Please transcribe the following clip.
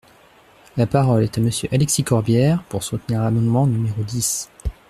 La parole est à Monsieur Alexis Corbière, pour soutenir l’amendement numéro dix.